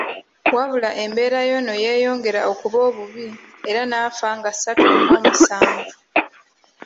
Wabula embeera y'ono yeyongera okuba obubi era n'afa nga ssatu Ogwomusanvu.